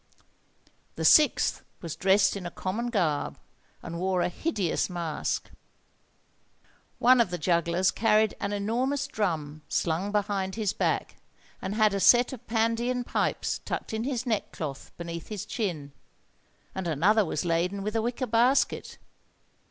The sixth was dressed in a common garb, and wore a hideous mask. One of the jugglers carried an enormous drum slung behind his back, and had a set of Pandean pipes tucked in his neckcloth beneath his chin; and another was laden with a wicker basket.